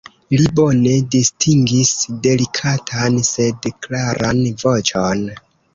Li bone distingis delikatan, sed klaran voĉon.